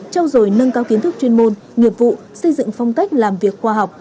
trao dồi nâng cao kiến thức chuyên môn nghiệp vụ xây dựng phong cách làm việc khoa học